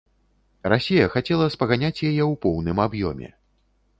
Расія хацела спаганяць яе ў поўным аб'ёме.